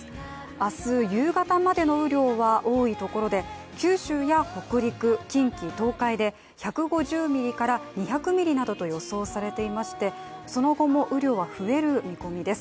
明日夕方までの雨量は多いところで九州や北陸、近畿・東海で１５０ミリから２００ミリなどと予想されていましてその後も雨量は増える見込みです。